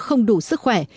không đủ sức khỏe